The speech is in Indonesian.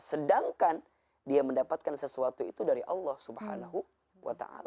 sedangkan dia mendapatkan sesuatu itu dari allah swt